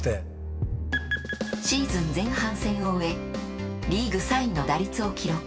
シーズン前半戦を終えリーグ３位の打率を記録。